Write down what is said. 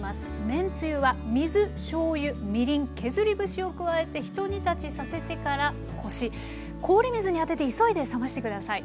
めんつゆは水しょうゆみりん削り節を加えて一煮立ちさせてからこし氷水に当てて急いで冷まして下さい。